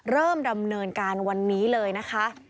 เริ่มดำเนินการวันนี้เลยนะคะ